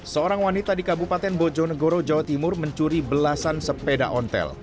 seorang wanita di kabupaten bojonegoro jawa timur mencuri belasan sepeda ontel